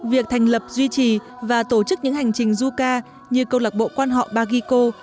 việc thành lập duy trì và tổ chức những hành trình du ca như câu lạc bộ quan họ baguico